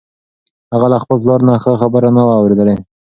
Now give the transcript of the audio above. هغه له خپل پلار نه ښه خبره نه وه اورېدلې.